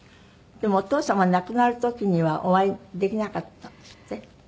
でもお父様が亡くなる時にはお会いできなかったんですって？